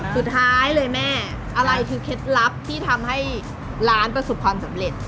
สุดท้ายเลยแม่อะไรคือเคล็ดลับที่ทำให้ร้านประสบความสำเร็จ